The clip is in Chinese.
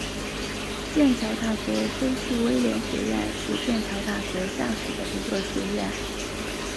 剑桥大学菲茨威廉学院是剑桥大学下属的一个学院。